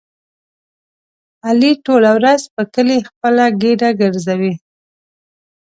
علي ټوله ورځ په کلي خپله ګېډه ګرځوي.